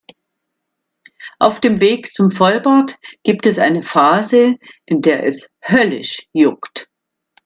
Auf dem Weg zum Vollbart gibt es eine Phase, in der es höllisch juckt.